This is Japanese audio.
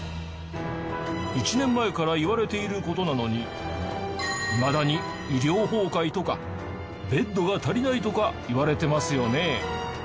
１年前から言われている事なのにいまだに医療崩壊とかベッドが足りないとか言われてますよね。